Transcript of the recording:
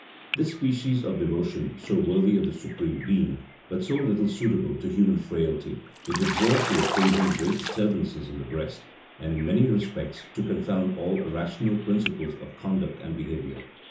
This species of devotion, so worthy of the Supreme Being, but so little suitable to human frailty, was observed to occasion great disturbances in the breast, and in many respects to confound all rational principles of conduct and behavior.